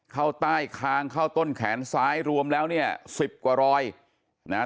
เข้าใต้คางเข้าต้นแขนซ้ายรวมแล้วเนี่ยสิบกว่ารอยนะฮะ